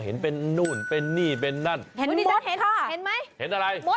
เห็นเป็นนู่นนเป็นนี่เป็นนั่นน